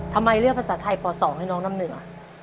ทำไมเลือกภาษาไทยป๒ให้น้องน้ำเหนือ